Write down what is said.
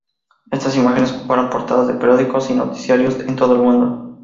Estas imágenes ocuparon portadas de periódicos y noticiarios en todo el mundo.